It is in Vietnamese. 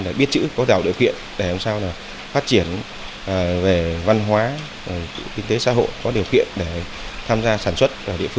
để biết chữ có rào điều kiện để làm sao là phát triển về văn hóa kinh tế xã hội có điều kiện để tham gia sản xuất